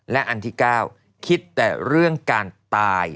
และอันที่๙คิดแต่เรื่องการตาย